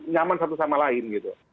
nyaman satu sama lain